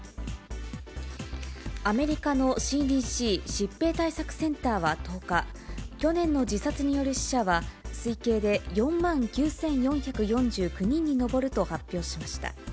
アメリカのＣＤＣ・疾病対策センターは１０日、去年の自殺による死者は、推計で４万９４４９人に上ると発表しました。